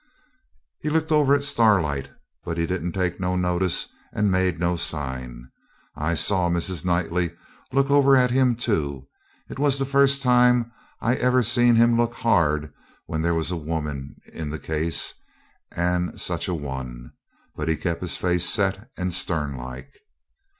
He looked over at Starlight, but he didn't take no notice, and made no sign. I saw Mrs. Knightley look over at him too. It was the first time I ever seen him look hard when there was a woman in the case, and such a one! But he kept his face set and stern like.